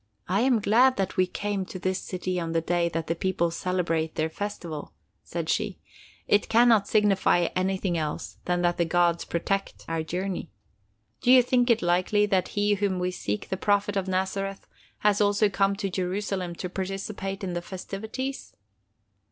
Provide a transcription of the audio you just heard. "I am glad that we came to this city on the day that the people celebrate their festival," said she. "It can not signify anything else than that the gods protect our journey. Do you think it likely that he whom we seek, the Prophet of Nazareth, has also come to Jerusalem to participate in the festivities?"